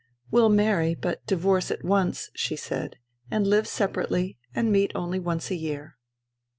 " We'll marry but divorce at once," she said, " and live separately, and meet only once a year."